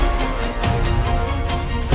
tante aku mau pergi